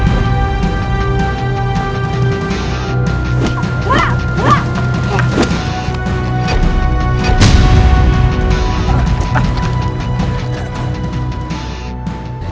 gawat keretanya makin dekat